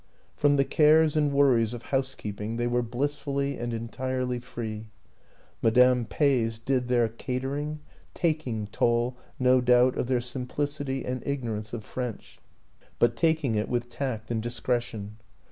From the cares and worries of housekeeping they were blissfully and entirely free; Madame Peys did their catering, taking toll, no doubt, of their simplicity and ignorance of French, but taking it with tatt and discretion.